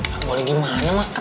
gak boleh gimana mak